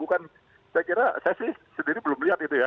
saya kira saya sih sendiri belum lihat itu ya